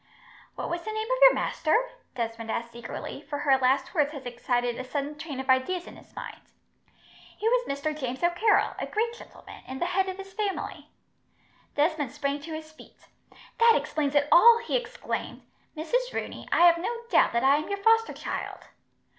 "What was the name of your master?" Desmond asked eagerly, for her last words had excited a sudden train of ideas in his mind. "He was Mr. James O'Carroll, a great gentleman, and the head of his family." Desmond sprang to his feet. "That explains it all!" he exclaimed. "Mrs. Rooney, I have no doubt that I am your foster child."